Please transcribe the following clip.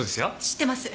知ってます。